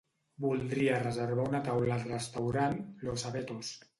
Voldria reservar una taula al restaurant Los Abetos.